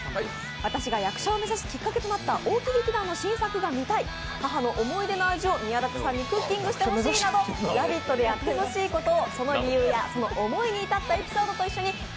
私が役者を目指すきっかけとなった大木劇団の新作が見たい、母の思い出の味を宮舘さんにクッキングしてほしいなど「ラヴィット！」でやってほしいことをその理由やその思いに至ったエピソードと一緒に＃